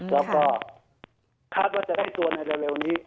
แล้วก็คาดว่าจะได้ตัวในเร็วนี้